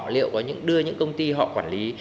liệu có đưa những công ty họ quản lý